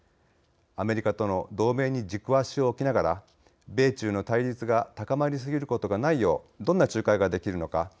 アメリカとの同盟に軸足を置きながら米中の対立が高まりすぎることがないようどんな仲介ができるのか。